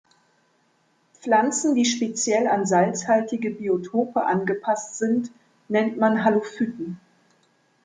Pflanzen, die speziell an salzhaltige Biotope angepasst sind, nennt man Halophyten.